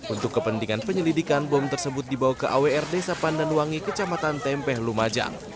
untuk kepentingan penyelidikan bom tersebut dibawa ke awr desa pandanwangi kecamatan tempeh lumajang